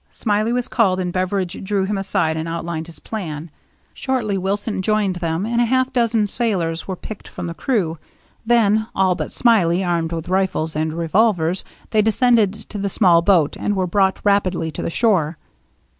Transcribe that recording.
Smiley was called, and Beveridge drew him aside and outlined his plan. Shortly Wilson joined them, and a half dozen sailors were picked from the crew. Then, all but Smiley armed with rifles and revolvers, they descended to the small boat and were brought rapidly to the shore.